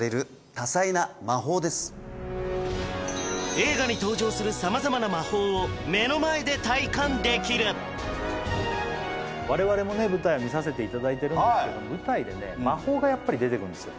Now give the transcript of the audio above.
映画に登場する様々な魔法を目の前で体感できる我々もね舞台見させていただいてるんですけど舞台でね魔法がやっぱり出てくるんですよ